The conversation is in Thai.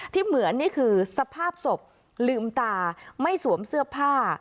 เหมือนนี่คือสภาพศพลืมตาไม่สวมเสื้อผ้า